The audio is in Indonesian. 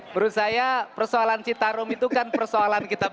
menurut saya persoalan citarum itu kan persoalan kita